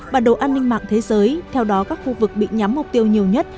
bản đồ an ninh mạng thế giới theo đó các khu vực bị nhắm mục tiêu nhiều nhất